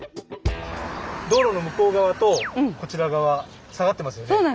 道路の向こう側とこちら側下がってますよね。